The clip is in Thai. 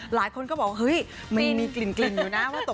หลายคนก็บอกมีกลิ่นนะ